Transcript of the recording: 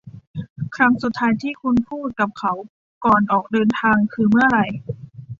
ครั้งสุดท้ายที่คุณพูดกับเขาก่อนออกเดินทางคือเมื่อไหร่ ?